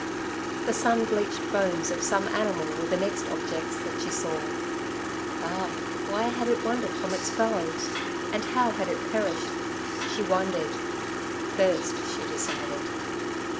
The sun bleached bones of some animal were the next objects that she saw. Ah! why had it wandered from its fellows, and how had it perished? she wondered. Thirst, she decided.